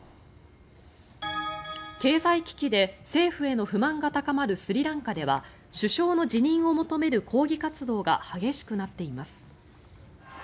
経済危機で政府への不満が高まるスリランカでは首相の辞任を求める抗議活動が激しくなっています。